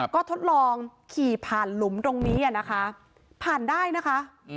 ก็ทดลองขี่ผ่านหลุมตรงนี้นะคะผ่านได้นะคะ